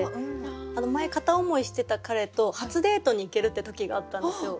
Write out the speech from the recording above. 前片思いしてた彼と初デートに行けるって時があったんですよ。